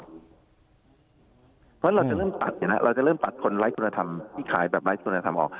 เพราะฉะนั้นเราจะเริ่มตัดเนี่ยนะเราจะเริ่มตัดคนไร้คุณธรรมที่ขายแบบไร้คุณธรรมออก